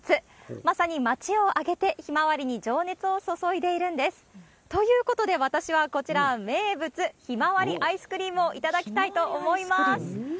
まさに町を挙げて、ヒマワリに情熱を注いでいるんです。ということで、私はこちら、名物、ひまわりアイスクリームを頂きたいと思います。